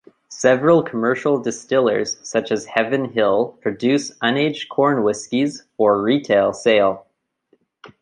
Several commercial distillers such as Heaven Hill produce unaged corn whiskeys for retail sale.